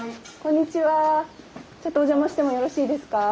ちょっとお邪魔してもよろしいですか？